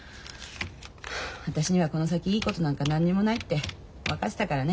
私にはこの先いいことなんか何にもないって分かってたからね。